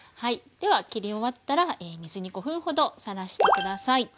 では切り終わったら水に５分ほどさらして下さい。